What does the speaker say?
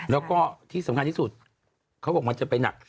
แล้วก็ที่สำคัญที่สุดเขาบอกมันจะไปหนัก